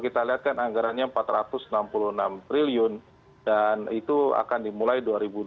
empat ratus enam puluh enam triliun dan itu akan dimulai dua ribu dua puluh empat